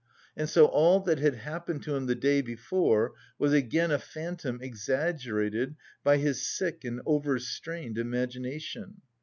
and so all that had happened to him the day before was again a phantom exaggerated by his sick and overstrained imagination.